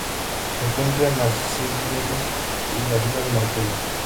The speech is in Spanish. Se encuentra en las Seychelles y las Islas Marquesas.